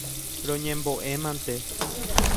Roñembo'e mante.